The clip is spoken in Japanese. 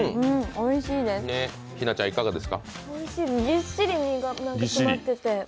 おいしい、ぎっしり身が詰まっていて。